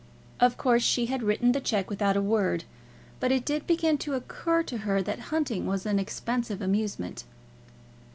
Of course she had written the cheque without a word, but it did begin to occur to her that hunting was an expensive amusement.